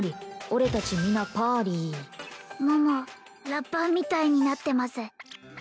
俺達みなパーリー桃ラッパーみたいになってます